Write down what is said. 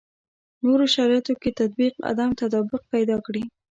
نورو شرایطو کې تطبیق عدم تطابق پیدا کړي.